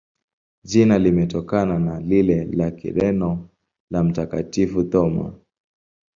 Jina limetokana na lile la Kireno la Mtakatifu Thoma.